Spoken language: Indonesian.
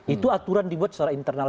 itu aturan dibuat secara internal